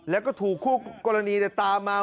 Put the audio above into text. แล้วก็ถูกคู่กรณีตามมา